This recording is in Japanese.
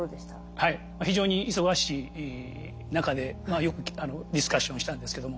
はい非常に忙しい中でよくディスカッションをしたんですけども